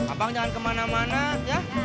abang jangan kemana mana ya